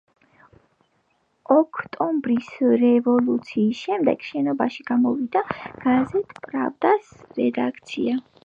ოქტომბრის რევოლუციის შემდეგ, შენობაში გადმოვიდა გაზეთ „პრავდას“ რედაქცია.